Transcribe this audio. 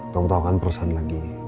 kamu tau kan perusahaan lagi